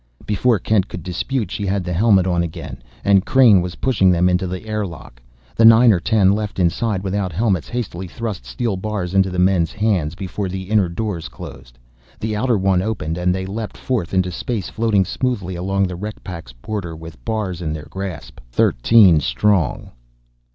Before Kent could dispute she had the helmet on again, and Crain was pushing them into the airlock. The nine or ten left inside without helmets hastily thrust steel bars into the men's hands before the inner door closed. The outer one opened and they leapt forth into space, floating smoothly along the wreck pack's border with bars in their grasp, thirteen strong.